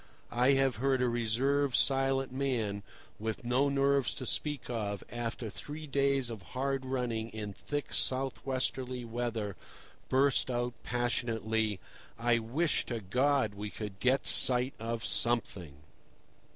I have heard a reserved, silent man, with no nerves to speak of, after three days of hard running in thick south westerly weather, burst out passionately: "I wish to God we could get sight of something!"